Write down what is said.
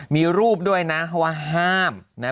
มีรูปด้วยนะเขาว่าห้าม